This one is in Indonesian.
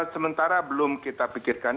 sementara belum kita pikirkan